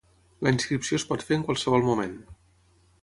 La inscripció es pot fer en qualsevol moment.